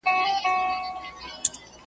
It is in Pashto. چي پخوا به زه په کور کي ګرځېدمه .